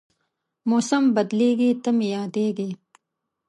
موسم بدلېږي، ته مې یادېږې